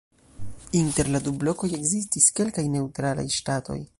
Inter la du blokoj ekzistis kelkaj neŭtralaj ŝtatoj.